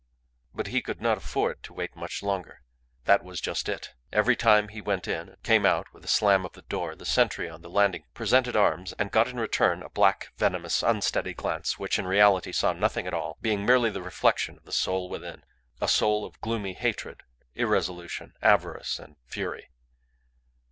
But he could not afford to wait much longer. That was just it. Every time he went in and came out with a slam of the door, the sentry on the landing presented arms, and got in return a black, venomous, unsteady glance, which, in reality, saw nothing at all, being merely the reflection of the soul within a soul of gloomy hatred, irresolution, avarice, and fury.